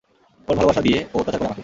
ওর ভালোবাসা দিয়ে ও অত্যাচার করে আমাকে।